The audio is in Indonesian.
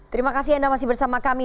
terima kasih anda masih bersama kami